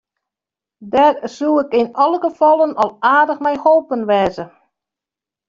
Dêr soe ik yn alle gefallen al aardich mei holpen wêze.